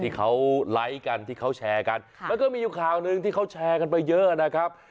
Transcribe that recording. ที่เขาไลค์กันที่เขาแชร์กันแล้วก็มีอยู่ข่าวหนึ่งที่เขาแชร์กันไปเยอะนะครับ